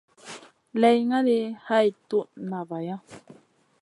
Lay ngali hay toud na vaya.